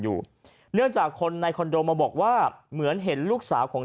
อยู่เนื่องจากคนในคอนโดมาบอกว่าเหมือนเห็นลูกสาวของ